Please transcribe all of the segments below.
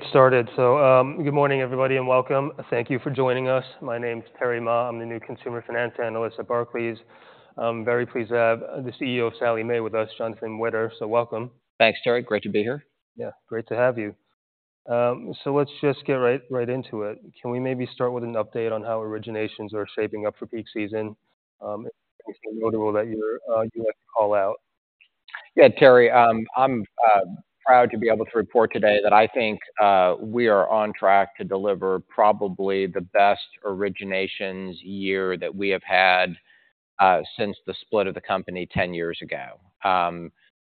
Get started. So, good morning, everybody, and welcome. Thank you for joining us. My name is Terry Ma. I'm the new consumer finance analyst at Barclays. I'm very pleased to have the CEO of Sallie Mae with us, Jonathan Witter. So welcome. Thanks, Terry. Great to be here. Yeah, great to have you. So let's just get right, right into it. Can we maybe start with an update on how originations are shaping up for peak season? It's notable that you're, you have to call out. Yeah, Terry, I'm proud to be able to report today that I think we are on track to deliver probably the best originations year that we have had since the split of the company 10 years ago.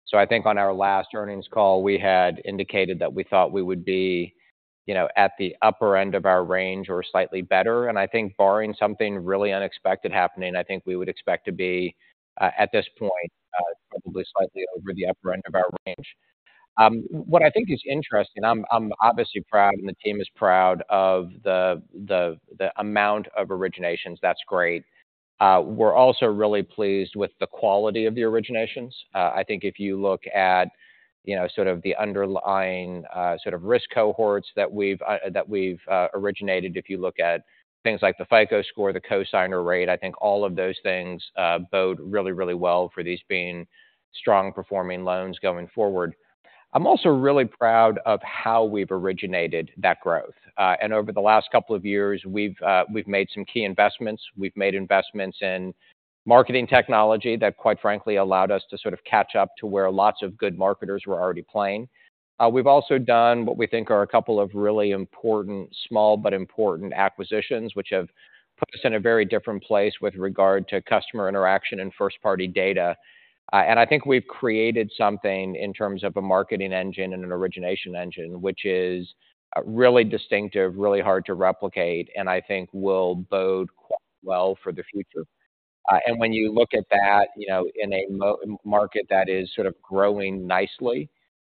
So I think on our last earnings call, we had indicated that we thought we would be, you know, at the upper end of our range or slightly better. And I think barring something really unexpected happening, I think we would expect to be at this point probably slightly over the upper end of our range. What I think is interesting, I'm obviously proud and the team is proud of the amount of originations. That's great. We're also really pleased with the quality of the originations. I think if you look at, you know, sort of the underlying, sort of risk cohorts that we've originated. If you look at things like the FICO Score, the cosigner rate, I think all of those things bode really, really well for these being strong-performing loans going forward. I'm also really proud of how we've originated that growth. Over the last couple of years, we've made some key investments. We've made investments in marketing technology that, quite frankly, allowed us to sort of catch up to where lots of good marketers were already playing. We've also done what we think are a couple of really important, small but important acquisitions, which have put us in a very different place with regard to customer interaction and first-party data. And I think we've created something in terms of a marketing engine and an origination engine, which is, really distinctive, really hard to replicate, and I think will bode quite well for the future. And when you look at that, you know, in a market that is sort of growing nicely,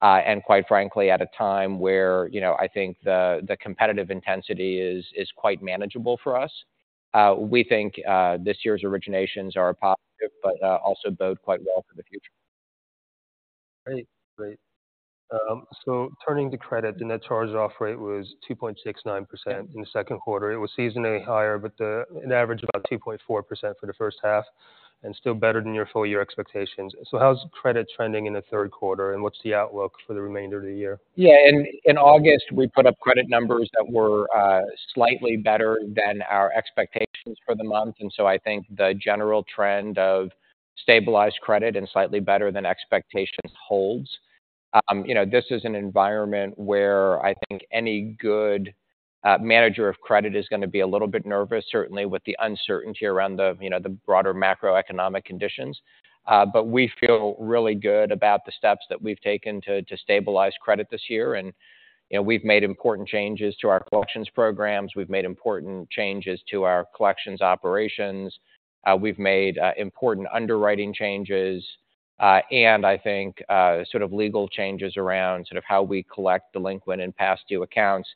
and quite frankly, at a time where, you know, I think the competitive intensity is quite manageable for us. We think this year's originations are positive, but also bode quite well for the future. Great. Great. So turning to credit, the net charge-off rate was 2.69% in the second quarter. It was seasonally higher, but an average about 2.4% for the first half, and still better than your full-year expectations. So how's credit trending in the third quarter, and what's the outlook for the remainder of the year? Yeah, in August, we put up credit numbers that were slightly better than our expectations for the month, and so I think the general trend of stabilized credit and slightly better than expectations holds. You know, this is an environment where I think any good manager of credit is gonna be a little bit nervous, certainly with the uncertainty around the, you know, the broader macroeconomic conditions. But we feel really good about the steps that we've taken to stabilize credit this year. And, you know, we've made important changes to our collections programs. We've made important changes to our collections operations. We've made important underwriting changes, and I think sort of legal changes around sort of how we collect delinquent and past due accounts.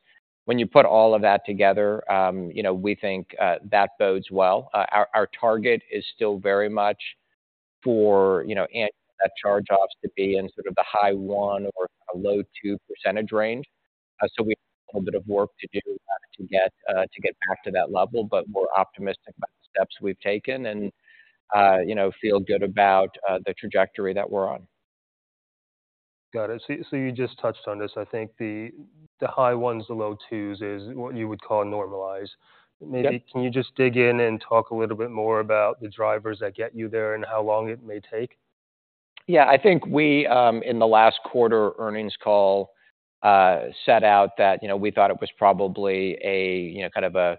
When you put all of that together, you know, we think that bodes well. Our target is still very much for, you know, net charge-offs to be in sort of the high 1% or a low 2% range. So we have a little bit of work to do to get back to that level, but we're optimistic about the steps we've taken and, you know, feel good about the trajectory that we're on. Got it. So you just touched on this. I think the high ones, the low twos, is what you would call normalized. Yep. Maybe can you just dig in and talk a little bit more about the drivers that get you there and how long it may take? Yeah, I think we, in the last quarter earnings call, set out that, you know, we thought it was probably a, you know, kind of a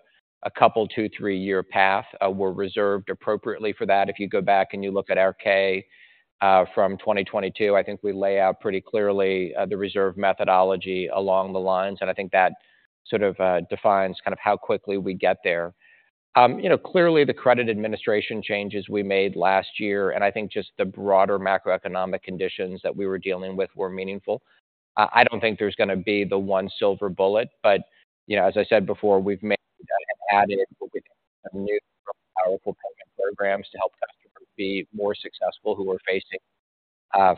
couple, two to three-year path. We're reserved appropriately for that. If you go back and you look at our 10-K from 2022, I think we lay out pretty clearly the reserve methodology along the lines, and I think that sort of defines kind of how quickly we get there. You know, clearly the credit administration changes we made last year, and I think just the broader macroeconomic conditions that we were dealing with were meaningful. I don't think there's gonna be the one silver bullet, but, you know, as I said before, we've made, added what we think are new, powerful payment programs to help customers be more successful who are facing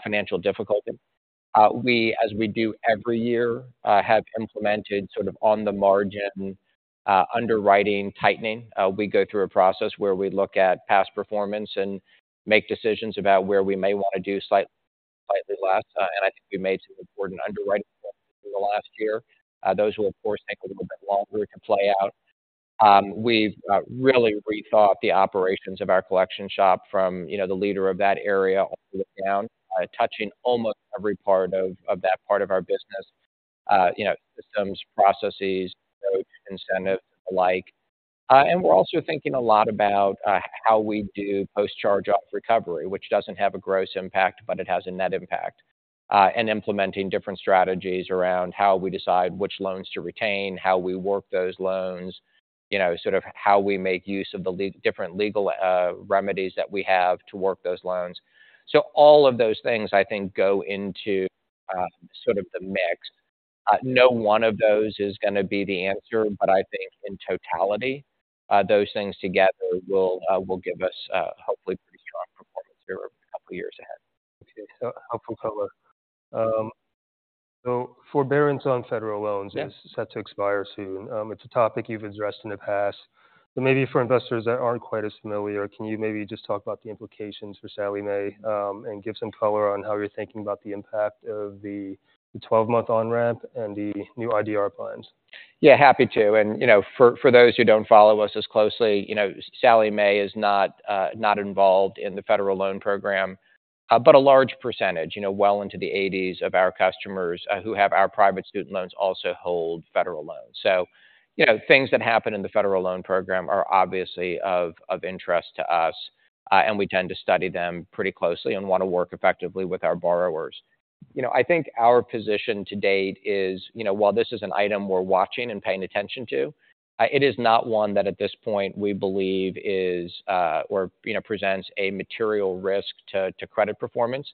financial difficulty. We, as we do every year, have implemented sort of on-the-margin underwriting tightening. We go through a process where we look at past performance and make decisions about where we may want to do slightly, slightly less. I think we made some important underwriting in the last year. Those will, of course, take a little bit longer to play out. We've really rethought the operations of our collection shop from, you know, the leader of that area all the way down, touching almost every part of, of that part of our business. You know, systems, processes, incentive alike. We're also thinking a lot about how we do post charge-off recovery, which doesn't have a gross impact, but it has a net impact. And implementing different strategies around how we decide which loans to retain, how we work those loans, you know, sort of how we make use of the different legal remedies that we have to work those loans. So all of those things, I think, go into sort of the mix. No one of those is gonna be the answer, but I think in totality, those things together will give us, hopefully pretty strong-... couple of years ahead. Okay, so helpful color. So forbearance on federal loans- Yeah. -is set to expire soon. It's a topic you've addressed in the past, but maybe for investors that aren't quite as familiar, can you maybe just talk about the implications for Sallie Mae, and give some color on how you're thinking about the impact of the 12-month on-ramp and the new IDR plans? Yeah, happy to. And, you know, for those who don't follow us as closely, you know, Sallie Mae is not involved in the federal loan program. But a large percentage, you know, well into the 80s of our customers who have our private student loans, also hold federal loans. So, you know, things that happen in the federal loan program are obviously of interest to us, and we tend to study them pretty closely and want to work effectively with our borrowers. You know, I think our position to date is, you know, while this is an item we're watching and paying attention to, it is not one that, at this point, we believe is or presents a material risk to credit performance.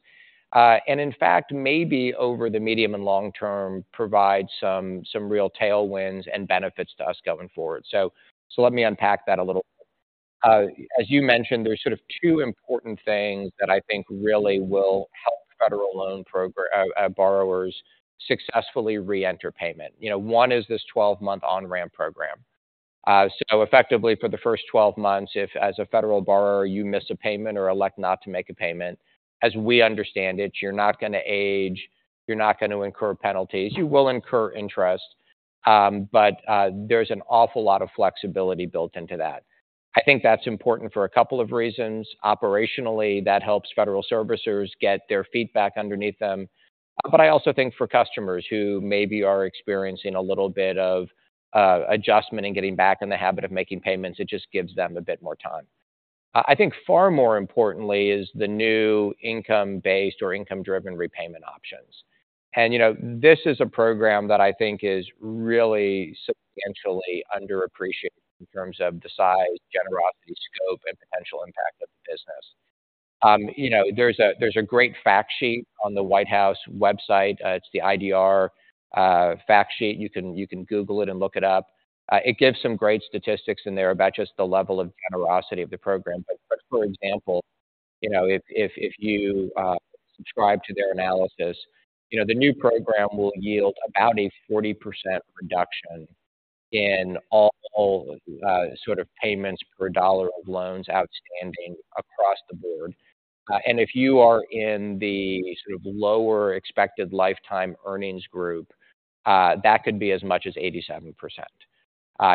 And in fact, maybe over the medium and long term, provide some real tailwinds and benefits to us going forward. So let me unpack that a little. As you mentioned, there's sort of two important things that I think really will help federal loan program borrowers successfully reenter payment. You know, one is this 12-month on-ramp program. So effectively, for the first 12 months, if as a federal borrower, you miss a payment or elect not to make a payment, as we understand it, you're not gonna age, you're not gonna incur penalties. You will incur interest, but there's an awful lot of flexibility built into that. I think that's important for a couple of reasons. Operationally, that helps federal servicers get their feet back underneath them. But I also think for customers who maybe are experiencing a little bit of adjustment in getting back in the habit of making payments, it just gives them a bit more time. I think far more importantly is the new income-based or income-driven repayment options. And, you know, this is a program that I think is really substantially underappreciated in terms of the size, generosity, scope, and potential impact of the business. You know, there's a great fact sheet on the White House website. It's the IDR fact sheet. You can Google it and look it up. It gives some great statistics in there about just the level of generosity of the program. But for example, you know, if you subscribe to their analysis, you know, the new program will yield about a 40% reduction in all sort of payments per dollar of loans outstanding across the board. And if you are in the sort of lower expected lifetime earnings group, that could be as much as 87%.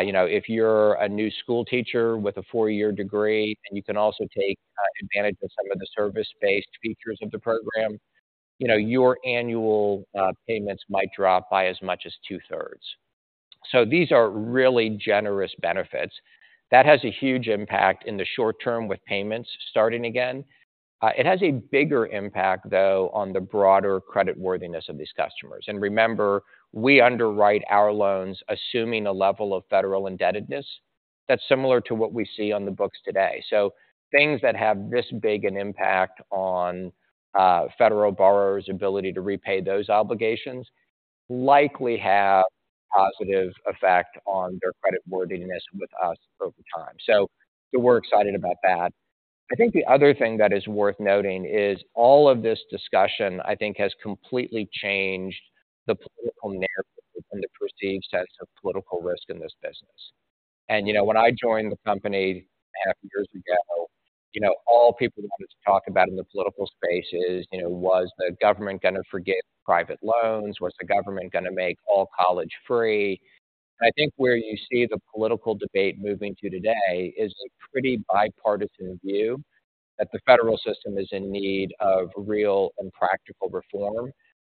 You know, if you're a new school teacher with a four-year degree, and you can also take advantage of some of the service-based features of the program, you know, your annual payments might drop by as much as two-thirds. So these are really generous benefits. That has a huge impact in the short term with payments starting again. It has a bigger impact, though, on the broader creditworthiness of these customers. Remember, we underwrite our loans assuming a level of federal indebtedness that's similar to what we see on the books today. So things that have this big an impact on federal borrowers' ability to repay those obligations likely have a positive effect on their creditworthiness with us over time. So we're excited about that. I think the other thing that is worth noting is all of this discussion, I think, has completely changed the political narrative and the perceived sense of political risk in this business. And, you know, when I joined the company half years ago, you know, all people wanted to talk about in the political space is, you know, was the government gonna forgive private loans? Was the government gonna make all college free? I think where you see the political debate moving to today is a pretty bipartisan view that the federal system is in need of real and practical reform.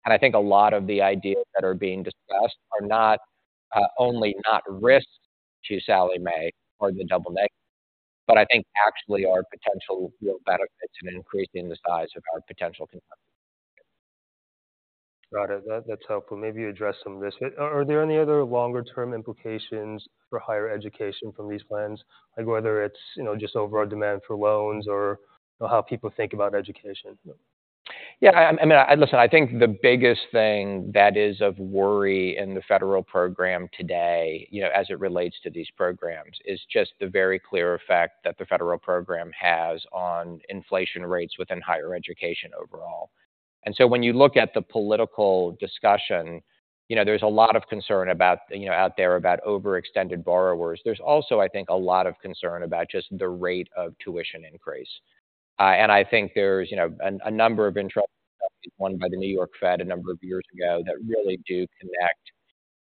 And I think a lot of the ideas that are being discussed are not, only not risks to Sallie Mae or the double negative, but I think actually are potential real benefits in increasing the size of our potential customer. Got it. That's helpful. Maybe you address some of this. Are there any other longer-term implications for higher education from these plans? Like, whether it's, you know, just overall demand for loans or, you know, how people think about education? Yeah, I mean, listen, I think the biggest thing that is of worry in the federal program today, you know, as it relates to these programs, is just the very clear effect that the federal program has on inflation rates within higher education overall. And so when you look at the political discussion, you know, there's a lot of concern about, you know, out there about overextended borrowers. There's also, I think, a lot of concern about just the rate of tuition increase. And I think there's, you know, a number of interesting, one by the New York Fed a number of years ago, that really do connect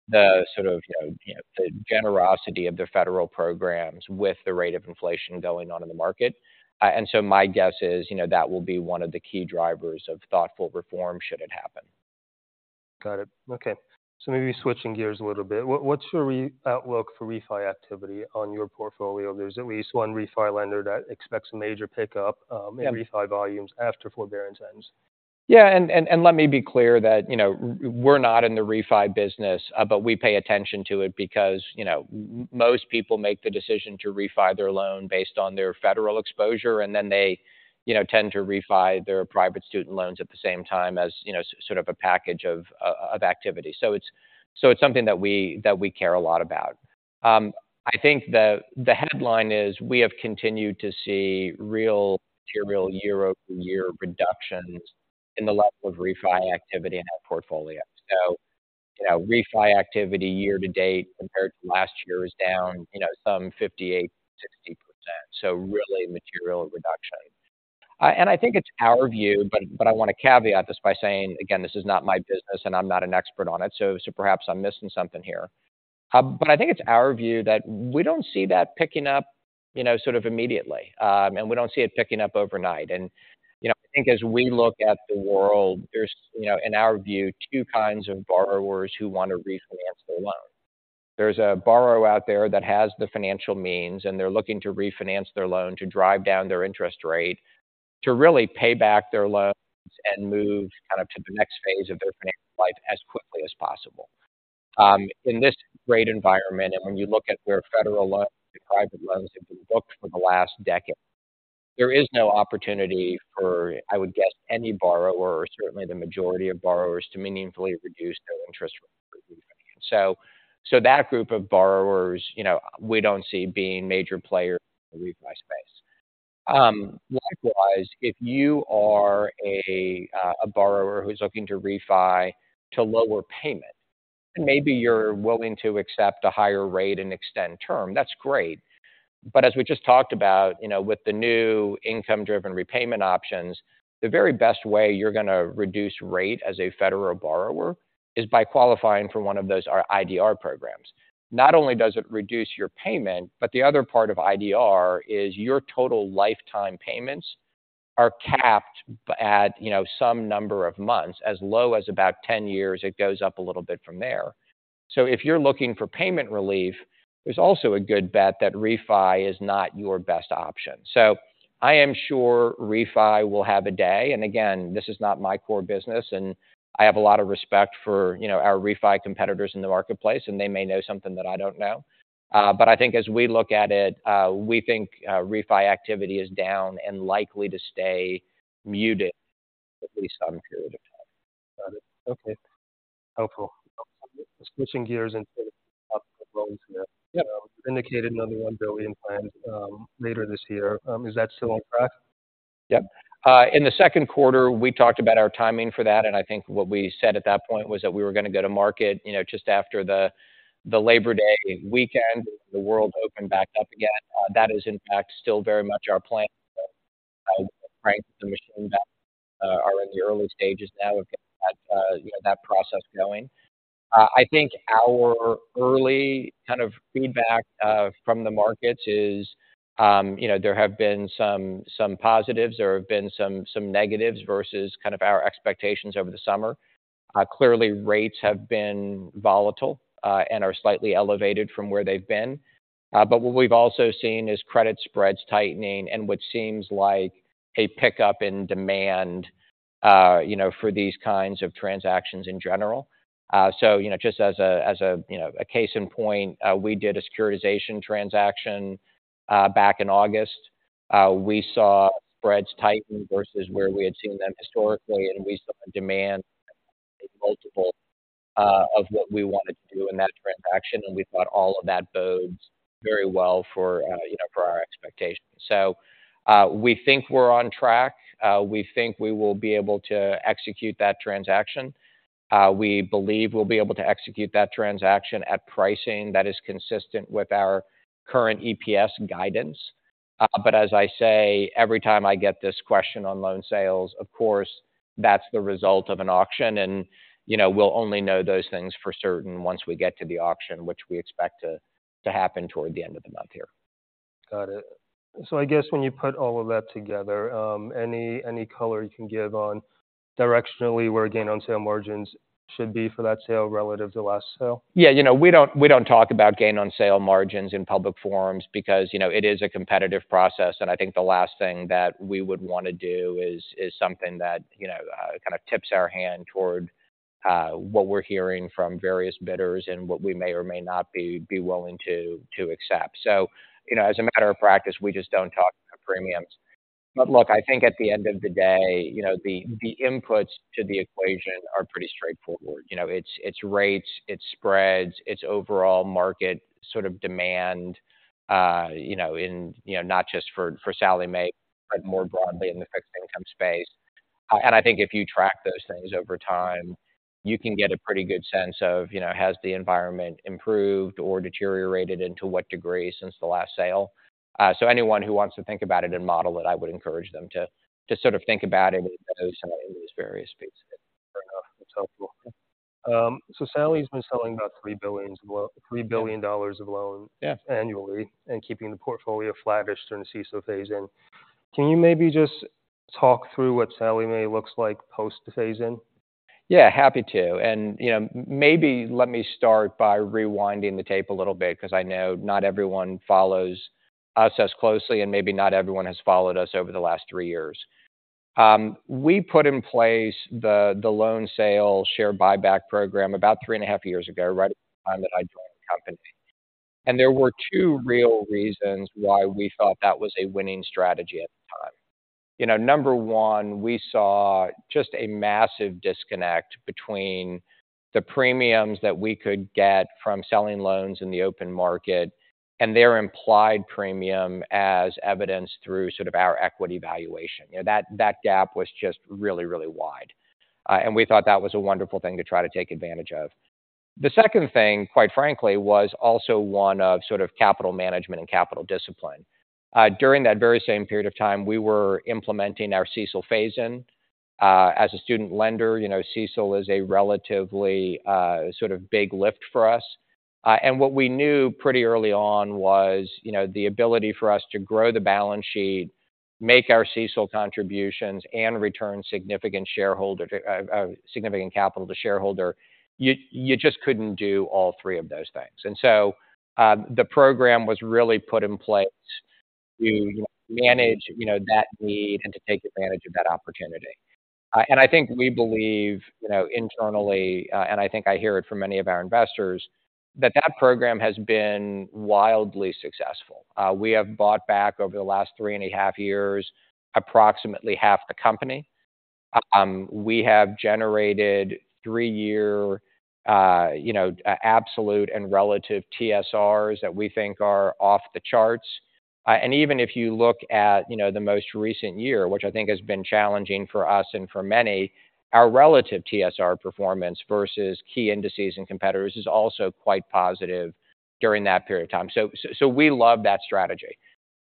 the, sort of, you know, the generosity of the federal programs with the rate of inflation going on in the market. My guess is, you know, that will be one of the key drivers of thoughtful reform, should it happen. Got it. Okay, so maybe switching gears a little bit. What, what's your outlook for refi activity on your portfolio? There's at least one refi lender that expects a major pickup. Yeah... in refi volumes after forbearance ends. Yeah, and let me be clear that, you know, we're not in the refi business, but we pay attention to it because, you know, most people make the decision to refi their loan based on their federal exposure, and then they, you know, tend to refi their private student loans at the same time as, you know, sort of a package of activity. So it's something that we care a lot about. I think the headline is we have continued to see real material year-over-year reductions in the level of refi activity in our portfolio. So, you know, refi activity year to date compared to last year is down, you know, some 58%-60%. So really material reduction. I think it's our view, but I want to caveat this by saying, again, this is not my business, and I'm not an expert on it, so perhaps I'm missing something here. But I think it's our view that we don't see that picking up, you know, sort of immediately. We don't see it picking up overnight. You know, I think as we look at the world, there's, you know, in our view, two kinds of borrowers who want to refinance their loan. There's a borrower out there that has the financial means, and they're looking to refinance their loan to drive down their interest rate, to really pay back their loans and move kind of to the next phase of their financial life as quickly as possible. In this rate environment, and when you look at where federal loans and private loans have been booked for the last decade, there is no opportunity for, I would guess, any borrower, or certainly the majority of borrowers, to meaningfully reduce their interest rate. So that group of borrowers, you know, we don't see being major players in the refi space. Likewise, if you are a borrower who's looking to refi to lower payment, and maybe you're willing to accept a higher rate and extend term, that's great. But as we just talked about, you know, with the new income-driven repayment options, the very best way you're gonna reduce rate as a federal borrower is by qualifying for one of those, our IDR programs. Not only does it reduce your payment, but the other part of IDR is your total lifetime payments are capped at, you know, some number of months, as low as about 10 years. It goes up a little bit from there. So if you're looking for payment relief, there's also a good bet that refi is not your best option. So I am sure refi will have a day, and again, this is not my core business, and I have a lot of respect for, you know, our refi competitors in the marketplace, and they may know something that I don't know. But I think as we look at it, we think refi activity is down and likely to stay muted at least on a period of time. Got it. Okay. Helpful. Switching gears into loans here. Yeah. Indicated another $1 billion planned later this year. Is that still on track? Yep. In the second quarter, we talked about our timing for that, and I think what we said at that point was that we were going to go to market, you know, just after the Labor Day weekend, the world opened back up again. That is, in fact, still very much our plan. The machine that are in the early stages now of getting that, you know, that process going. I think our early kind of feedback from the markets is, you know, there have been some positives, there have been some negatives versus kind of our expectations over the summer. Clearly, rates have been volatile, and are slightly elevated from where they've been. But what we've also seen is credit spreads tightening and what seems like a pickup in demand, you know, for these kinds of transactions in general. So, you know, just as a case in point, we did a securitization transaction back in August. We saw spreads tighten versus where we had seen them historically, and we saw demand multiple of what we wanted to do in that transaction, and we thought all of that bodes very well for, you know, for our expectations. So, we think we're on track. We think we will be able to execute that transaction. We believe we'll be able to execute that transaction at pricing that is consistent with our current EPS guidance. But as I say, every time I get this question on loan sales, of course, that's the result of an auction, and, you know, we'll only know those things for certain once we get to the auction, which we expect to happen toward the end of the month here. Got it. So I guess when you put all of that together, any color you can give on directionally where gain on sale margins should be for that sale relative to last sale? Yeah, you know, we don't talk about gain on sale margins in public forums because, you know, it is a competitive process, and I think the last thing that we would want to do is something that, you know, kind of tips our hand toward what we're hearing from various bidders and what we may or may not be willing to accept. So, you know, as a matter of practice, we just don't talk premiums. But look, I think at the end of the day, you know, the inputs to the equation are pretty straightforward. You know, it's rates, it's spreads, it's overall market sort of demand, you know, not just for Sallie Mae, but more broadly in the fixed income space. I think if you track those things over time, you can get a pretty good sense of, you know, has the environment improved or deteriorated, and to what degree since the last sale? So anyone who wants to think about it and model it, I would encourage them to sort of think about it in those, in these various spaces. That's helpful. So Sallie's been selling about $3 billion of loans- Yeah. - annually and keeping the portfolio flattish during the CSO phase-in. Can you maybe just talk through what Sallie Mae looks like post the phase-in? Yeah, happy to. And, you know, maybe let me start by rewinding the tape a little bit, because I know not everyone follows us as closely, and maybe not everyone has followed us over the last three years. We put in place the, the loan sale share buyback program about 3.5 years ago, right at the time that I joined the company. And there were two real reasons why we thought that was a winning strategy at the time.... You know, number 1, we saw just a massive disconnect between the premiums that we could get from selling loans in the open market and their implied premium, as evidenced through sort of our equity valuation. You know, that, that gap was just really, really wide, and we thought that was a wonderful thing to try to take advantage of. The second thing, quite frankly, was also one of sort of capital management and capital discipline. During that very same period of time, we were implementing our CECL phase-in. As a student lender, you know, CECL is a relatively, sort of big lift for us. And what we knew pretty early on was, you know, the ability for us to grow the balance sheet, make our CECL contributions, and return significant shareholder significant capital to shareholder. You just couldn't do all three of those things. And so, the program was really put in place to manage, you know, that need and to take advantage of that opportunity. And I think we believe, you know, internally, and I think I hear it from many of our investors, that that program has been wildly successful. We have bought back, over the last 3.5 years, approximately half the company. We have generated three-year, you know, absolute and relative TSRs that we think are off the charts. And even if you look at, you know, the most recent year, which I think has been challenging for us and for many, our relative TSR performance versus key indices and competitors is also quite positive during that period of time. So, so we love that strategy.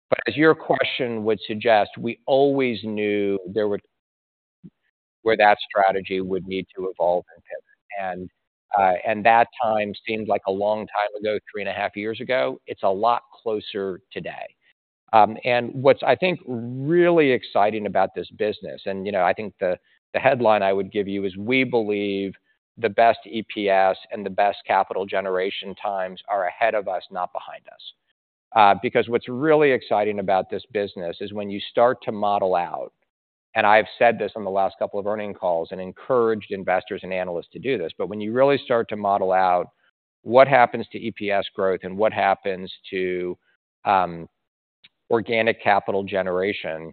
But as your question would suggest, we always knew there would- where that strategy would need to evolve and pivot. And, and that time seemed like a long time ago, 3.5 years ago. It's a lot closer today. And what's, I think, really exciting about this business, and, you know, I think the headline I would give you is: we believe the best EPS and the best capital generation times are ahead of us, not behind us. Because what's really exciting about this business is when you start to model out, and I've said this on the last couple of earnings calls, and encouraged investors and analysts to do this. But when you really start to model out what happens to EPS growth and what happens to organic capital generation,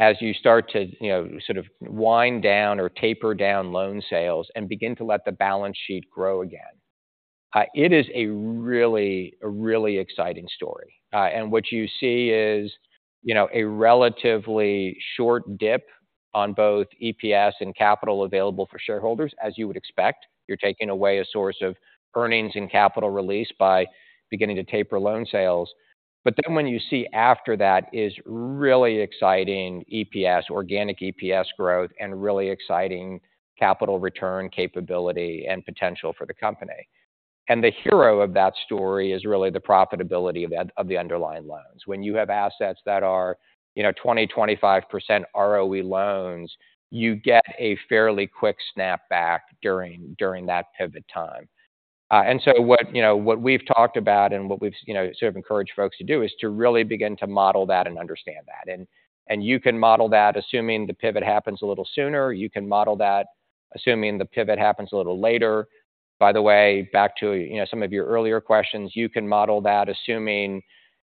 as you start to, you know, sort of wind down or taper down loan sales and begin to let the balance sheet grow again, it is a really, a really exciting story. What you see is, you know, a relatively short dip on both EPS and capital available for shareholders, as you would expect. You're taking away a source of earnings and capital release by beginning to taper loan sales. But then what you see after that is really exciting EPS, organic EPS growth, and really exciting capital return capability and potential for the company. And the hero of that story is really the profitability of the underlying loans. When you have assets that are, you know, 20%-25% ROE loans, you get a fairly quick snapback during that pivot time. And so what, you know, what we've talked about and what we've, you know, sort of encouraged folks to do, is to really begin to model that and understand that. You can model that, assuming the pivot happens a little sooner. You can model that, assuming the pivot happens a little later. By the way, back to, you know, some of your earlier questions, you can model that, assuming,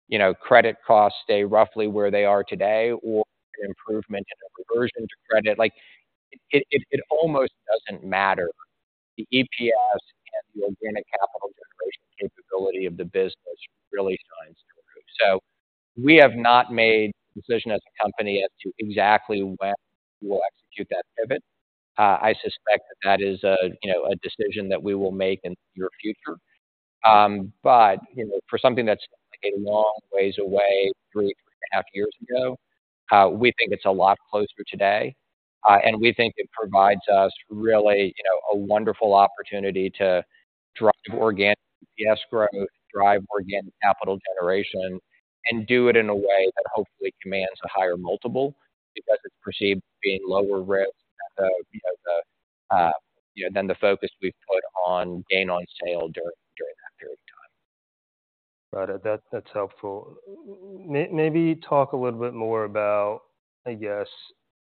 you know, credit costs stay roughly where they are today or improvement in a reversion to credit. Like, it almost doesn't matter. The EPS and the organic capital generation capability of the business really shines through. So we have not made a decision as a company as to exactly when we will execute that pivot. I suspect that that is a, you know, a decision that we will make in the near future. But, you know, for something that's a long ways away, 3.5 years ago, we think it's a lot closer today. And we think it provides us really, you know, a wonderful opportunity to drive organic EPS growth, drive organic capital generation, and do it in a way that hopefully commands a higher multiple, because it's perceived being lower risk than the, you know, than the focus we've put on gain on sale during that period of time. Got it. That's, that's helpful. Maybe talk a little bit more about, I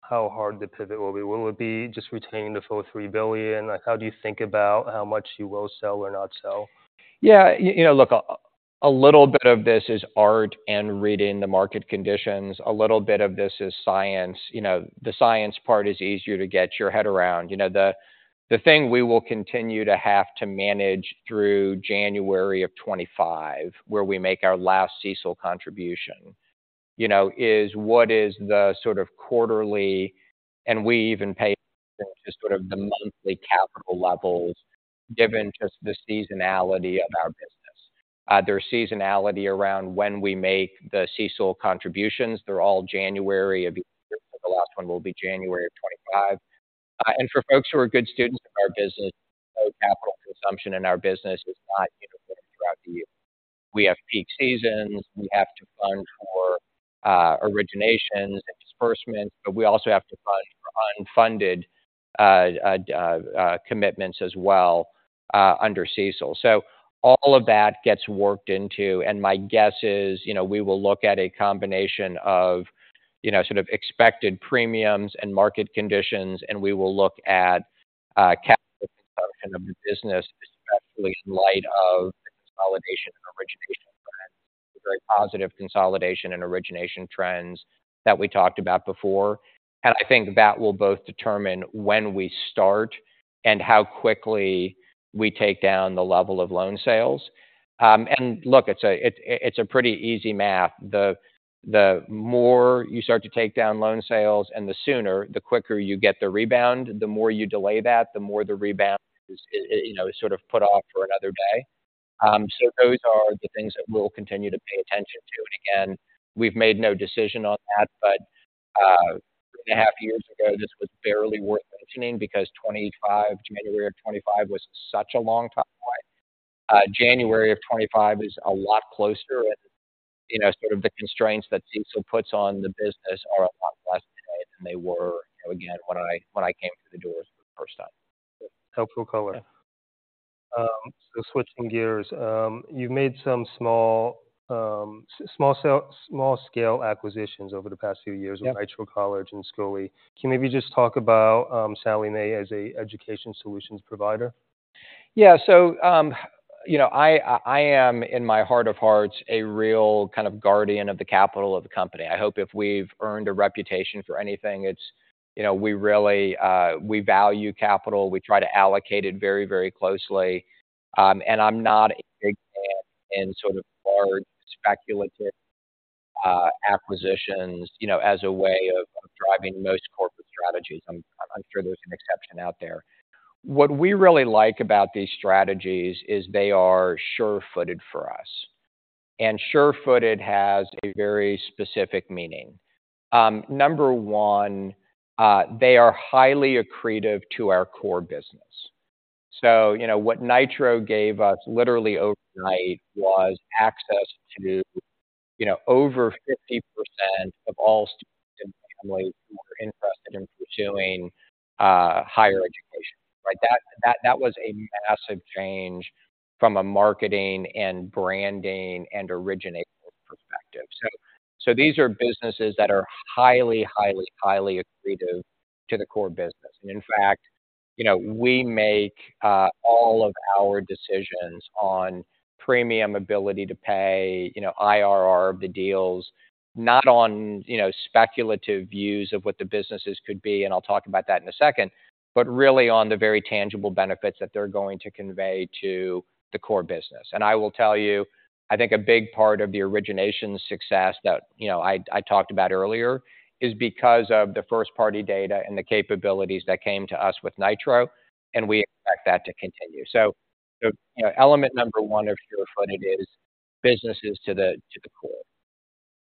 guess, how hard the pivot will be. Will it be just retaining the full $3 billion? Like, how do you think about how much you will sell or not sell? Yeah, you know, look, a little bit of this is art and reading the market conditions. A little bit of this is science. You know, the science part is easier to get your head around. You know, the thing we will continue to have to manage through January of 2025, where we make our last CECL contribution, you know, is what is the sort of quarterly. And we even pay into sort of the monthly capital levels, given just the seasonality of our business. There's seasonality around when we make the CECL contributions. They're all January of the last one will be January of 2025. And for folks who are good students of our business, capital consumption in our business is not uniform throughout the year. We have peak seasons. We have to fund for originations and disbursements, but we also have to fund for unfunded commitments as well under CECL. So all of that gets worked into, and my guess is, you know, we will look at a combination of, you know, sort of expected premiums and market conditions, and we will look at capital consumption of the business, especially in light of the consolidation and origination. Very positive consolidation and origination trends that we talked about before. And I think that will both determine when we start and how quickly we take down the level of loan sales. And look, it's a pretty easy math. The more you start to take down loan sales and the sooner, the quicker you get the rebound. The more you delay that, the more the rebound is, you know, sort of put off for another day. So those are the things that we'll continue to pay attention to. And again, we've made no decision on that. But 2.5 years ago, this was barely worth mentioning because 2025, January of 2025 was such a long time away. January of 2025 is a lot closer, and, you know, sort of the constraints that CECL puts on the business are a lot less today than they were, again, when I came through the doors for the first time. Helpful color. So switching gears. You've made some small-scale acquisitions over the past few years- Yeah. - with Nitro College and Scholly. Can you maybe just talk about, Sallie Mae as a education solutions provider? Yeah. So, you know, I am, in my heart of hearts, a real kind of guardian of the capital of the company. I hope if we've earned a reputation for anything, it's, you know, we really, we value capital. We try to allocate it very, very closely. And I'm not a big fan in sort of large speculative, acquisitions, you know, as a way of, of driving most corporate strategies. I'm sure there's an exception out there. What we really like about these strategies is they are surefooted for us, and surefooted has a very specific meaning. Number one, they are highly accretive to our core business. So you know, what Nitro gave us literally overnight was access to, you know, over 50% of all students and families who are interested in pursuing, higher education, right? That was a massive change from a marketing and branding and origination perspective. So these are businesses that are highly, highly, highly accretive to the core business. And in fact, you know, we make all of our decisions on premium ability to pay, you know, IRR of the deals, not on, you know, speculative views of what the businesses could be, and I'll talk about that in a second, but really on the very tangible benefits that they're going to convey to the core business. And I will tell you, I think a big part of the origination success that, you know, I talked about earlier is because of the first-party data and the capabilities that came to us with Nitro, and we expect that to continue. So, you know, element number one of surefooted is businesses to the core.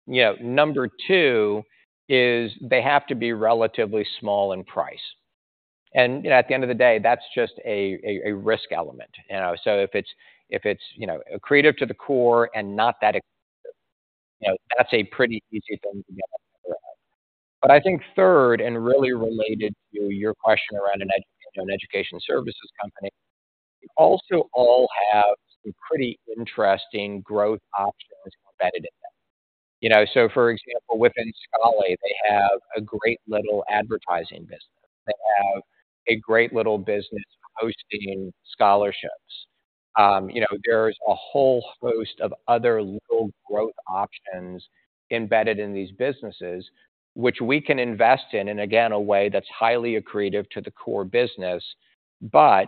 You know, number two is they have to be relatively small in price. And, you know, at the end of the day, that's just a risk element, you know? So if it's, you know, accretive to the core and not that expensive, you know, that's a pretty easy thing to get our head around. But I think third, and really related to your question around an education services company, they also all have some pretty interesting growth options embedded in them. You know, so for example, within Scholly, they have a great little advertising business. They have a great little business hosting scholarships. You know, there's a whole host of other little growth options embedded in these businesses, which we can invest in, and again, a way that's highly accretive to the core business, but,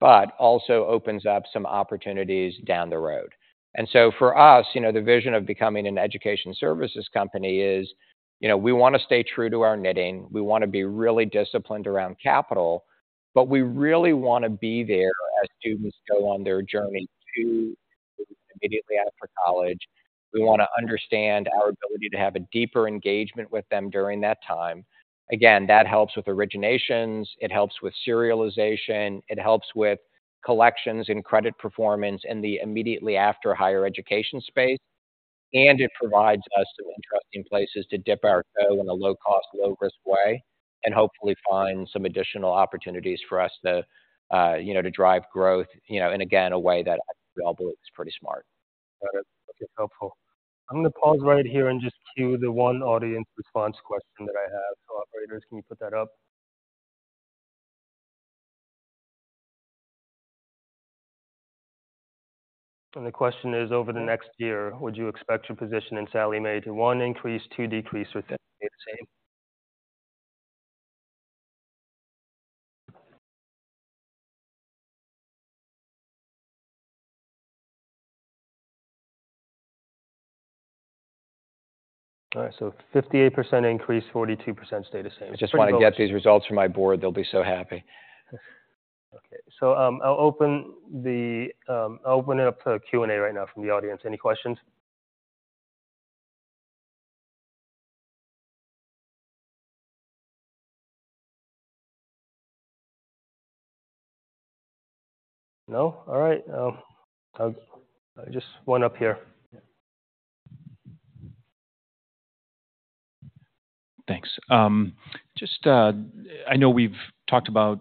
but also opens up some opportunities down the road. And so for us, you know, the vision of becoming an education services company is, you know, we want to stay true to our knitting. We want to be really disciplined around capital, but we really want to be there as students go on their journey to immediately after college. We want to understand our ability to have a deeper engagement with them during that time. Again, that helps with originations, it helps with securitization, it helps with collections and credit performance in the immediately after higher education space, and it provides us some interesting places to dip our toe in a low-cost, low-risk way and hopefully find some additional opportunities for us to, you know, to drive growth, you know, in again, a way that I believe is pretty smart. Got it. Okay, helpful. I'm going to pause right here and just cue the one audience response question that I have. So operators, can you put that up? And the question is: over the next year, would you expect your position in Sallie Mae to, 1, increase, 2, decrease, or stay the same? All right, so 58% increase, 42% stay the same. I just want to get these results from my board. They'll be so happy. Okay. So, I'll open it up to Q&A right now from the audience. Any questions? No? All right, just one up here. Thanks. Just, I know we've talked about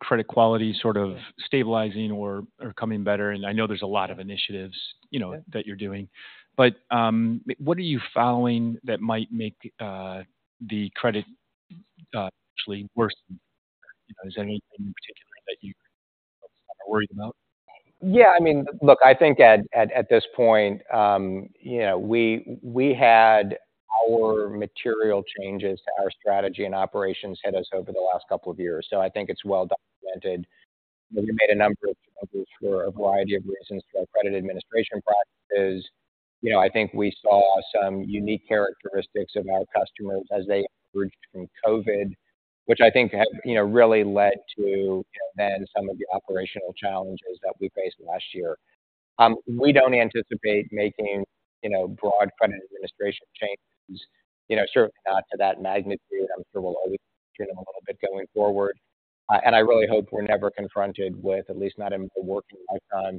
credit quality sort of stabilizing or coming better, and I know there's a lot of initiatives, you know, that you're doing. But, what are you following that might make the credit actually worse?... You know, is there anything in particular that you are worried about? Yeah, I mean, look, I think at this point, you know, we had our material changes to our strategy and operations hit us over the last couple of years, so I think it's well documented. We made a number of changes for a variety of reasons to our credit administration practices. You know, I think we saw some unique characteristics of our customers as they emerged from COVID, which I think have, you know, really led to, you know, then some of the operational challenges that we faced last year. We don't anticipate making, you know, broad credit administration changes. You know, certainly not to that magnitude. I'm sure we'll always them a little bit going forward. And I really hope we're never confronted with at least not in a working lifetime,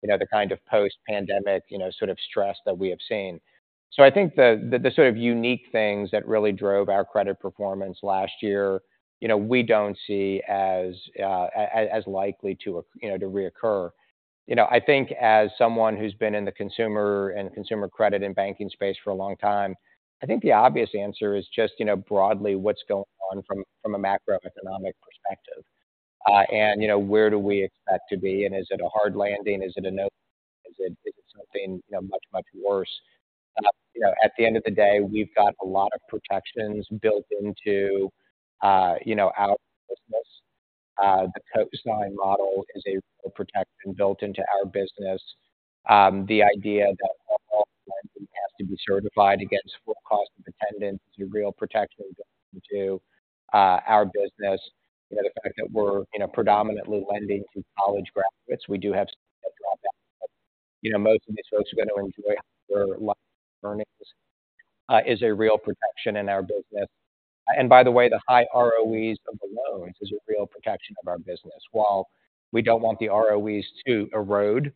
you know, the kind of post-pandemic, you know, sort of stress that we have seen. So I think the sort of unique things that really drove our credit performance last year, you know, we don't see as likely to, you know, to reoccur. You know, I think as someone who's been in the consumer and consumer credit and banking space for a long time, I think the obvious answer is just, you know, broadly, what's going on from a macroeconomic perspective. And, you know, where do we expect to be? And is it a hard landing? Is it a no? Is it something, you know, much worse? You know, at the end of the day, we've got a lot of protections built into, you know, our business. The cosigner model is a real protection built into our business. The idea that has to be certified against full cost of attendance is a real protection to, our business. You know, the fact that we're, you know, predominantly lending to college graduates, we do have a dropout. You know, most of these folks are going to enjoy higher earnings, is a real protection in our business. And by the way, the high ROEs of the loans is a real protection of our business. While we don't want the ROEs to erode,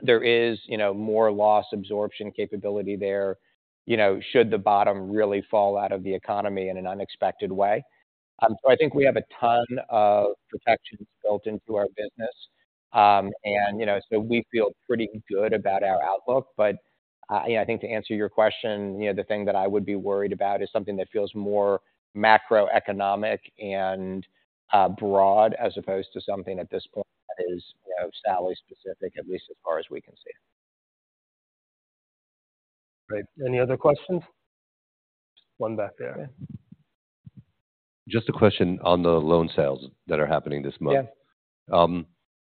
there is, you know, more loss absorption capability there, you know, should the bottom really fall out of the economy in an unexpected way. So I think we have a ton of protections built into our business. And, you know, so we feel pretty good about our outlook. But, yeah, I think to answer your question, you know, the thing that I would be worried about is something that feels more macroeconomic and, broad, as opposed to something at this point that is, you know, Sallie-specific, at least as far as we can see. Great. Any other questions? One back there. Just a question on the loan sales that are happening this month. Yeah.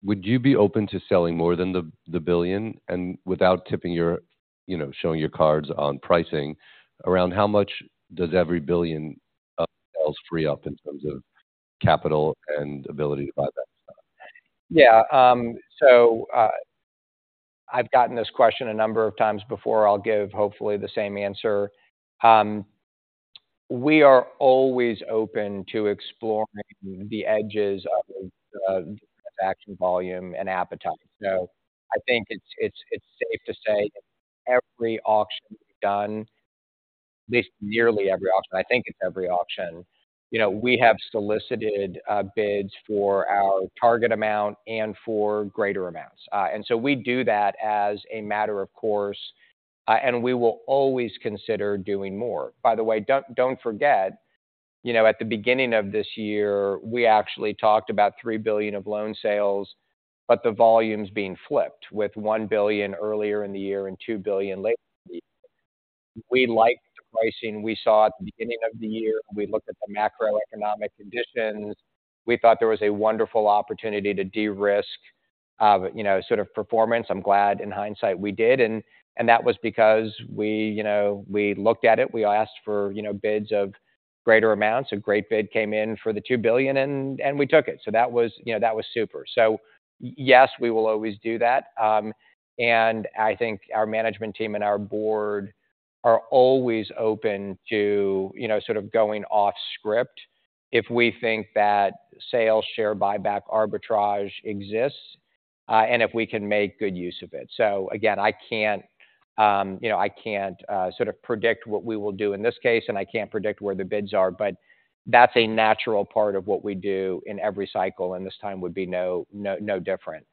Would you be open to selling more than $1 billion? And without tipping your... You know, showing your cards on pricing, around how much does every $1 billion of sales free up in terms of capital and ability to buy that stuff? Yeah, so, I've gotten this question a number of times before. I'll give hopefully the same answer. We are always open to exploring the edges of transaction volume and appetite. So I think it's safe to say every auction we've done, at least nearly every auction, I think it's every auction, you know, we have solicited bids for our target amount and for greater amounts. And so we do that as a matter of course, and we will always consider doing more. By the way, don't forget, you know, at the beginning of this year, we actually talked about $3 billion of loan sales, but the volume's being flipped, with $1 billion earlier in the year and $2 billion later in the year. We liked the pricing we saw at the beginning of the year. We looked at the macroeconomic conditions. We thought there was a wonderful opportunity to de-risk, you know, sort of performance. I'm glad in hindsight we did, and that was because we, you know, we looked at it. We asked for, you know, bids of greater amounts. A great bid came in for the $2 billion and we took it. So that was, you know, that was super. So yes, we will always do that. And I think our management team and our board are always open to, you know, sort of going off script if we think that sales share buyback arbitrage exists, and if we can make good use of it. So again, I can't, you know, I can't, sort of predict what we will do in this case, and I can't predict where the bids are, but that's a natural part of what we do in every cycle, and this time would be no different.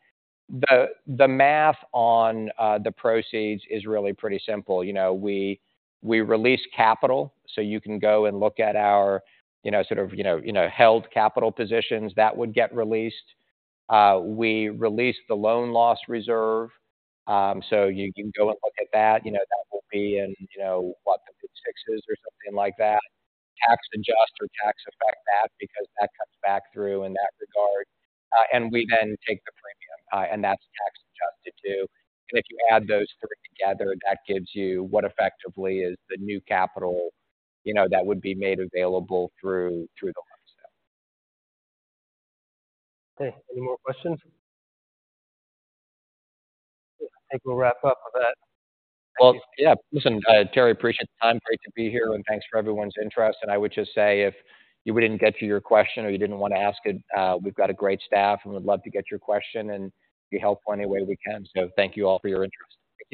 The math on the proceeds is really pretty simple. You know, we release capital, so you can go and look at our, you know, sort of, you know, held capital positions that would get released. We release the loan loss reserve. So you can go and look at that. You know, that will be in, you know, what, the mid-60s or something like that. Tax adjust or tax affect that because that cuts back through in that regard. And we then take the premium, and that's tax adjusted too. If you add those three together, that gives you what effectively is the new capital, you know, that would be made available through the loan sale. Okay. Any more questions? I think we'll wrap up with that. Well, yeah. Listen, Terry, appreciate the time. Great to be here, and thanks for everyone's interest. I would just say if we didn't get to your question or you didn't want to ask it, we've got a great staff, and we'd love to get your question and be helpful any way we can. Thank you all for your interest. Thank you.